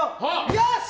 よし！